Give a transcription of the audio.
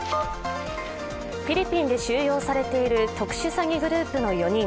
フィリピンで収容されている特殊詐欺グループの４人。